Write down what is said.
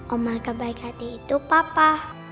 omar kebaikan hati itu papa